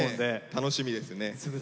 楽しみですね。